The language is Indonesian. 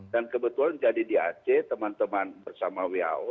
dan kebetulan jadi di aceh teman teman bersama who